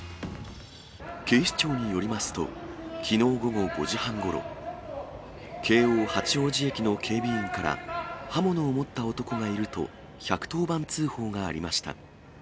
警視庁によりますと、きのう午後５時半ごろ、京王八王子駅の警備員から、刃物を持った男がいると１１０番通報がありました。